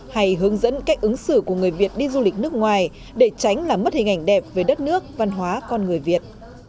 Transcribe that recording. hay hướng dẫn cách ứng xử của người việt đi du lịch nước ngoài để tránh làm mất hình ảnh đẹp về đất nước văn hóa con người việt